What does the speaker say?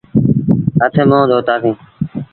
هٿ منهن دوتآ سيٚݩ۔